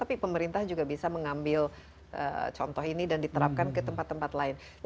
tapi pemerintah juga bisa mengambil contoh ini dan diterapkan ke tempat tempat lain